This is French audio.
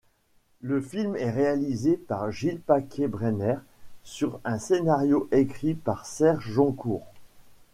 Le film est réalisé par Gilles Paquet-Brenner sur un scénario écrit par Serge Joncour.